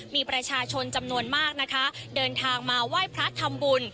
มีประชาชนจำนวนมากนะคะเดินทางมาไหว้พระทำบุญ